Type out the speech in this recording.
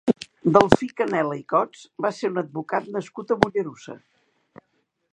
Delfí Canela i Cots va ser un advocat nascut a Mollerussa.